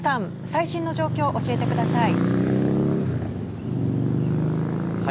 最新の状況、教えてください。